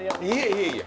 いえいえ。